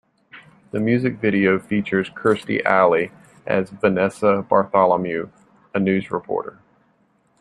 The music video features Kirstie Alley as Vanessa Bartholomew, a news reporter.